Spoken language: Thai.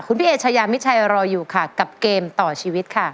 คุณพี่เอชายามิชัยรออยู่ค่ะกับเกมต่อชีวิตค่ะ